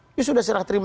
ini sudah diserah terima